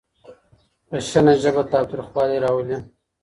خشنه ژبه تاوتريخوالی راولي.